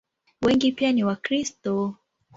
Wengi pia ni Wakristo.